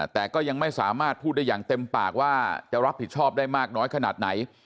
แต่ก็ยังไม่สามารถพูดได้อย่างเต็มปากว่าจะรับผิดชอบได้มากน้อยขนาดไหน